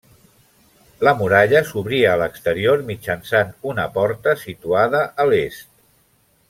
La muralla s'obria a l'exterior mitjançant una porta situada a l'est.